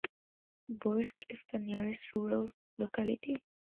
Birsk is the nearest rural locality.